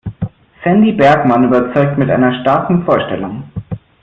Sandy Bergmann überzeugt mit einer starken Vorstellung.